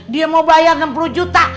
dia mau bayar enam puluh juta